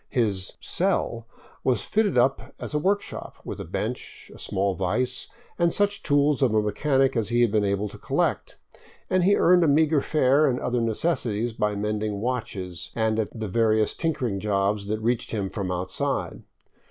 His " cell " was fitted up as a work shop, with a bench, a small vise, and such tools of a mechanic as he had been able to collect, and he earned a meager fare and other necessities by mending watches and at the various tinkering jobs that reached him from outside.